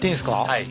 はい。